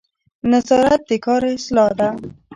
نظارت د کار اصلاح ده